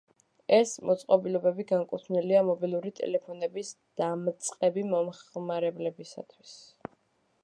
ეს მოწყობილობები განკუთვნილია მობილური ტელეფონების დამწყები მომხმარებლებისთვის.